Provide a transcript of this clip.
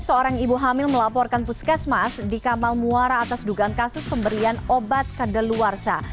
seorang ibu hamil melaporkan puskesmas di kamal muara atas dugaan kasus pemberian obat kedeluarsa